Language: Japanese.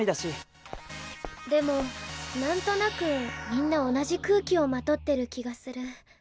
でもなんとなくみんな同じ空気をまとってる気がする。